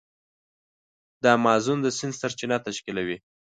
د امازون د سیند سرچینه تشکیلوي.